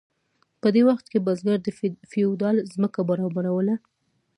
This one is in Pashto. په دې وخت کې بزګر د فیوډال ځمکه برابروله.